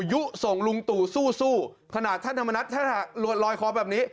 ยุส่งลุงตู่สู้ขนาดท่านธรรมนัฐรวดลอยคอแบบนี้